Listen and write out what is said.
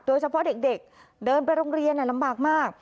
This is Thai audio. โดยเฉพาะเด็กเดินไปโรงเรียนลำบากมาก